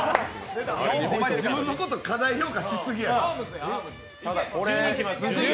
自分のこと過大評価しすぎや。